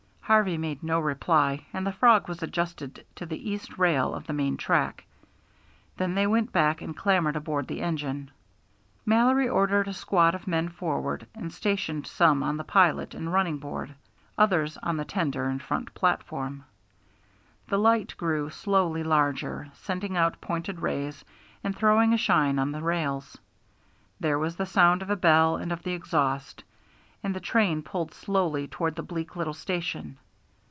Harvey made no reply, and the frog was adjusted to the east rail of the main track. Then they went back and clambered aboard the engine. Mallory ordered a squad of men forward, and stationed some on the pilot and running board, others on the tender and front platform. The light grew slowly larger, sending out pointed rays and throwing a shine on the rails. There was the sound of a bell and of the exhaust, and the train pulled slowly toward the bleak little station.